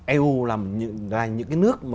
eu là những nước